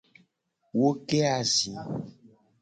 Wo ke azi.